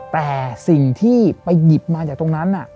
แต่สิ่งที่ไปหยิบมาจากตรงนั้น